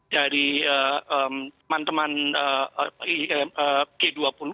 dari teman teman g dua puluh